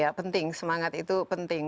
ya penting semangat itu penting